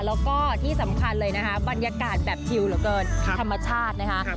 แล้วก็ที่สำคัญเลยนะคะบรรยากาศแบบคิวเหลือเกินธรรมชาตินะคะ